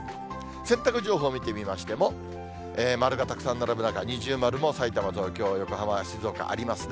洗濯情報見てみましても、丸がたくさん並ぶ中、二重丸も、さいたま、東京、千葉、静岡、ありますね。